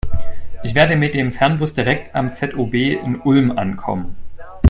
Ich werde mit dem Fernbus direkt am ZOB in Ulm ankommen.